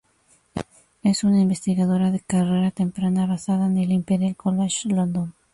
Es una Investigadora de Carrera Temprana basada en el Imperial College London.